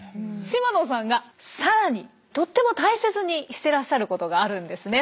島野さんがさらにとっても大切にしてらっしゃることがあるんですね。